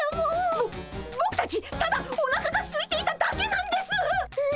ぼぼくたちただおなかがすいていただけなんですっ！